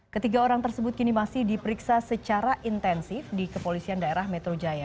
ketiga orang tersebut kini masih diperiksa secara intensif di kepolisian daerah metro jaya